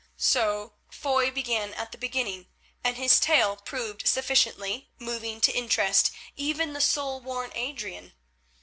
So Foy began at the beginning, and his tale proved sufficiently moving to interest even the soul worn Adrian.